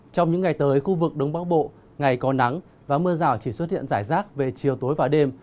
trong những ngày tới khu vực đông bắc bộ ngày có nắng và mưa rào chỉ xuất hiện rải rác về chiều tối và đêm